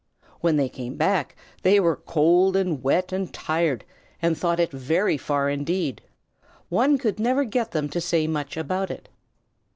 When they came back they were cold and wet and tired, and thought it very far indeed. One could never get them to say much about it.